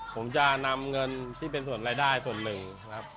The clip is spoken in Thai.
ผมจะนำเงินที่เป็นส่วนรายได้ส่วนหนึ่งนะครับ